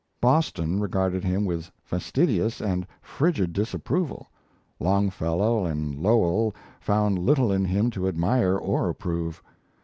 Boston regarded him with fastidious and frigid disapproval, Longfellow and Lowell found little in him to admire or approve.